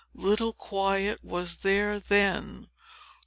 Little quiet was there then!